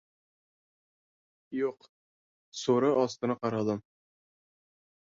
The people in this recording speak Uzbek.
Yo‘q. So‘ri ostini qaradim.